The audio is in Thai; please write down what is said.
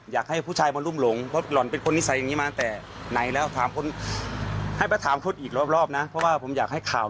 อยากให้ผู้ชายมารุ่มหลงเพราะหล่อนเป็นคนนิศัยอย่างนี้มาตั้งแต่